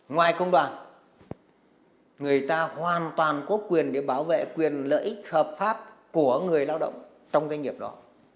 ngoài công đoàn người ta hoàn toàn có quyền để bảo vệ quyền lợi ích hợp pháp của người lao động trong doanh nghiệp đó